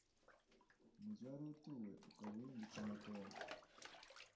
umugi wari utuwe, ukaba uhindutse amatongo.